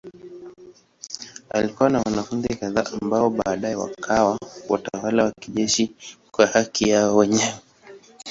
Alikuwa na wanafunzi kadhaa ambao baadaye wakawa watawala wa kijeshi kwa haki yao wenyewe.